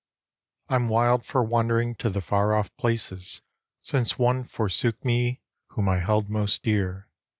I'm wild for wandering to the far off places Since one forsook me whom I held most dear.